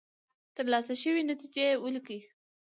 ترلاسه شوې نتیجې ولیکئ.